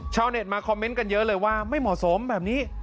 ชาวเน็ตมาคอมเมนต์กันเยอะเลยว่าไม่เหมาะสมแบบนี้